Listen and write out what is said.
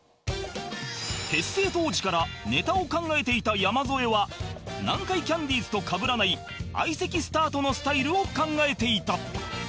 結成当時からネタを考えていた山添は南海キャンディーズとかぶらない相席スタートのスタイルを考えていた